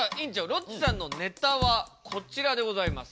ロッチさんのネタはこちらでございます。